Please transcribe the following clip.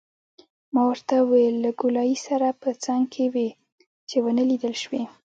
ما ورته وویل: له ګولایي سره په څنګ کې وې، چې ونه لیدل شوې.